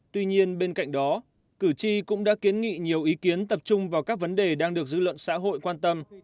tuy nhiên bên cạnh đó cử tri cũng đã kiến nghị nhiều ý kiến tập trung vào các vấn đề đang được dư luận xã hội quan tâm